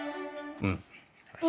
「うん」？